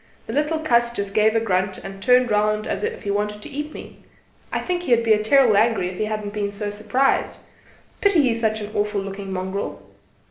The little cuss just gave a grunt, and turned round as if he wanted to eat me. I think he'd 'a' been terrible angry if he hadn't been so s'prised. Pity he's such an awful looking mongrel."